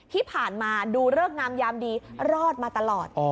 ที่ผ่านมาดูเลิกงามยามดีรอดมาตลอด